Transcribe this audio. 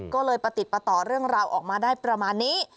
ก็เลยประติดประต่อเรื่องราวออกมาได้ประมาณนี้